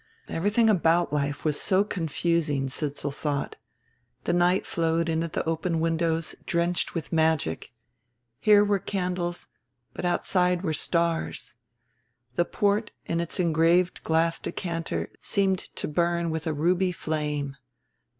Everything about life was so confusing, Sidsall thought. The night flowed in at the open windows drenched with magic: here were candles but outside were stars. The port in its engraved glass decanter seemed to burn with a ruby flame.